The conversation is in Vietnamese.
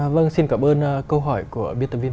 vâng xin cảm ơn câu hỏi của